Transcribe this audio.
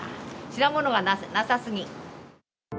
品物がなさすぎ。